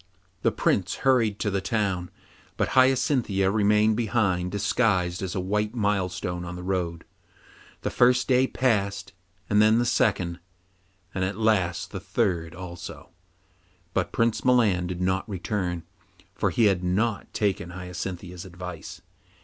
The Prince hurried to the town, but Hyacinthia remained behind disguised as a white milestone on the road. The first day passed, and then the second, and at last the third also, but Prince Milan did not return, for he had not taken Hyacinthia's advice.